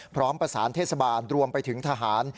พร้อมประสานเทศบาลรวมไปถึงทหาร